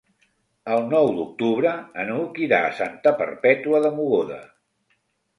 El nou d'octubre n'Hug irà a Santa Perpètua de Mogoda.